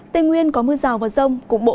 tây nguyên có mưa rào và rông